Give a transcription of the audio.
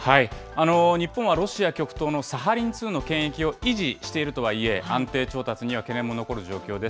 日本はロシア極東のサハリン２の権益を維持しているとはいえ、安定調達には懸念も残る状況です。